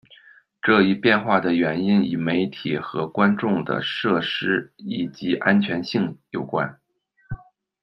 这一变化的原因与媒体和观众的设施以及安全性有关。